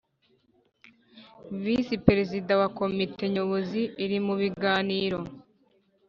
Visi Perezida wa Komite Nyobozi ari mubiganiro